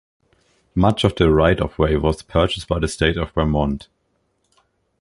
Much of the right-of-way was purchased by the State of Vermont.